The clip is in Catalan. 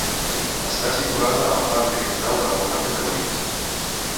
Està situada a la part oriental de la comarca de Guadix.